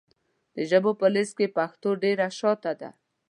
د ژبو په لېسټ کې پښتو ډېره شاته ده .